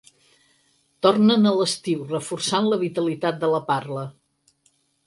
Tornen a l'estiu, reforçant la vitalitat de la parla.